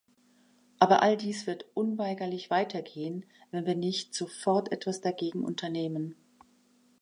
Aber all dies wird unweigerlich weitergehen, wenn wir nicht sofort etwas dagegen unternehmen.